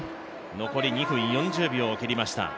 残り２分４０秒を切りました。